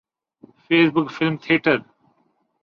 face book film theatre